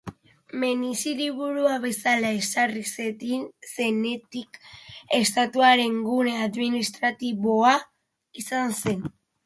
Menfis hiriburu bezala ezarri zenetik, estatuaren gune administratiboa izan zen.